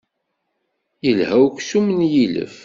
Ilha uksum n yilef.